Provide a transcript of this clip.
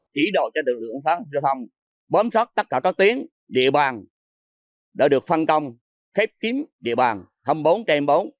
chỉ đồ cho lực lượng giao thông bấm sót tất cả các tiến địa bàn đã được phân công khép kiếm địa bàn hai mươi bốn trên bốn